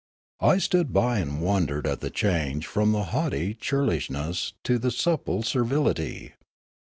I stood by and wondered at the change from the haughty churlish ness to the supple servility.